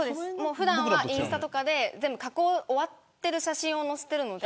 普段はインスタとかで全部、加工が終わっている写真を載せてるんで。